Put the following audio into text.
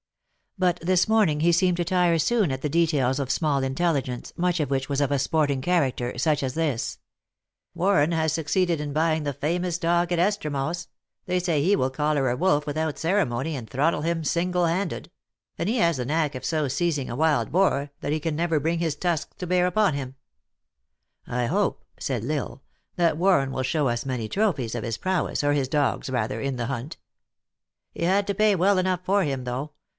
But this morning he seemed to tire soon at the details of small intelligence, much of which was of a sporting character, such as this: "Warren has succeeded in buying the famous dog at Estremoz ; they say he will collar a wolf without ceremony, and throttle him sin gle handed ; and he has the knack of so seizing a wild boar, that he can never bring his tusks to bear upon him." " I hope," said L Isle, " that Warren will show us many trophies of his prowess, or his dog s rather, in the hunt." " He had to pay well for him, though.